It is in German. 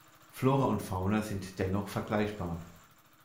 Flora und Fauna sind dennoch vergleichbar.